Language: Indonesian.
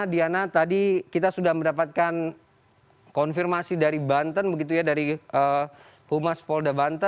diana tadi kita sudah mendapatkan konfirmasi dari banten begitu ya dari humas polda banten